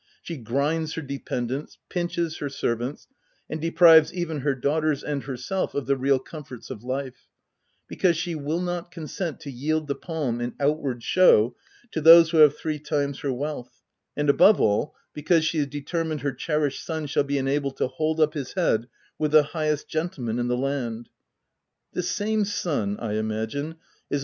She grinds her dependants, pinches her servants, and deprives even her daughters and herself of the real comforts of life, because she will not consent to yield the palm in out ward show to those who have three times her wealth, and, above all, because she is deter mined her cherished son shall be enabled to 'hold up his head with the highest gentleman in the land/ This same son, I imagine, is a OF WILDFELL HALL.